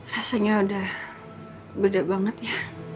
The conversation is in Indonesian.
rasanya udah beda banget ya